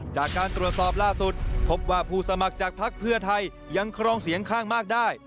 จากการตรวจสอบล่าสุดพบว่าผู้สมัครจากพักเพื่อไทยยังครองเสียงข้างมากได้